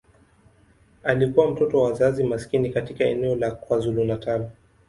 Alikuwa mtoto wa wazazi maskini katika eneo la KwaZulu-Natal.